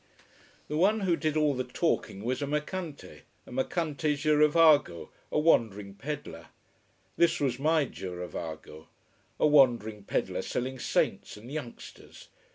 The one who did all the talking was a mercante, a mercante girovago, a wandering peddler. This was my girovago: a wandering peddler selling saints and youngsters!